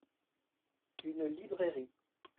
Une librairie.